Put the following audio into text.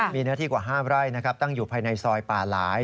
มีเนื้อที่กว่า๕ไร่นะครับตั้งอยู่ภายในซอยป่าหลาย